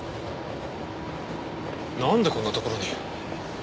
なんでこんなところに？